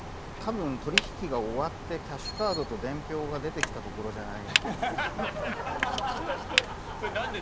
多分取引が終わってキャッシュカードと伝票が出てきたところじゃないかな。